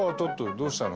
どうしたの？